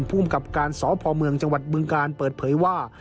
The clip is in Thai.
ภูมิกับการสพเมืองจังหวัดบึงการเปิดเผยว่า